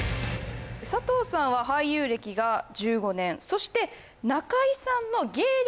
佐藤さんは俳優歴が１５年そして中居さんの芸歴